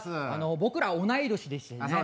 僕ら同い年ですよね。